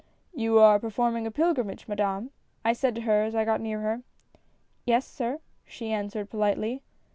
"'You are performing a pilgrimage, Madame?' I said to her as I got near her. "' Yes, sir,' she answered, politely.